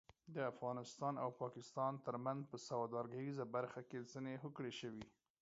د افغانستان او پاکستان ترمنځ په سوداګریزه برخه کې ځینې هوکړې شوې